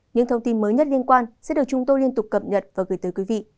những thông tin mới nhất liên quan sẽ được chúng tôi liên tục cập nhật và gửi tới quý vị